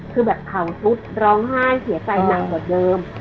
คือแบบเผาชุดร้องไห้เสียใจหนักกว่าเดิม